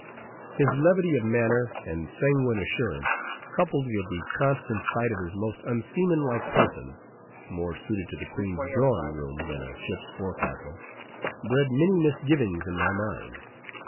His levity of manner, and sanguine assurance, coupled with the constant sight of his most unseamanlike person—more suited to the Queen's drawing room than a ship's forecastle bred many misgivings in my mind.